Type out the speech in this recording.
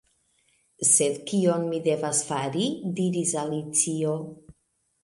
"Sed kion mi devas fari?" diris Alicio.